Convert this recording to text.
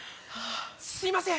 すいません